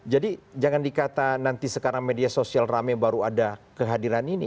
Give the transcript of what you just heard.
jadi jangan dikata nanti sekarang media sosial ramai baru ada kehadiran ini